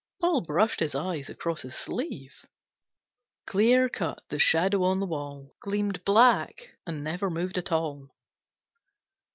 Paul brushed his eyes across his sleeve. Clear cut, the Shadow on the wall Gleamed black, and never moved at all.